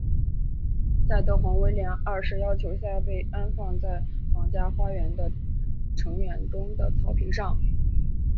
在德皇威廉二世要求下被安放在皇家花园的橙园中的草坪上。